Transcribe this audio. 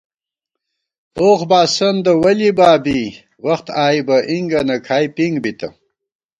اوخ باسندہ ولِبابی وخت آئی بہ اِنگَنہ کھائی پِنگ بِتہ